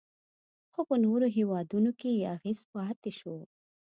خو په نورو هیوادونو کې یې اغیز پاتې شو